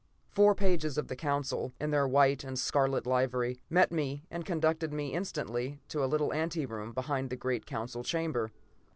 Four pages of the Council, in their white and scarlet livery, met me and conducted me instantly to a little anteroom behind the great council chamber.